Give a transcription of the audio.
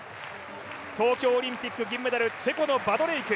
東京オリンピック銀メダルチェコのバドレイク。